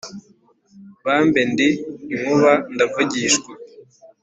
Bambe ndi inkuba ndavugishwa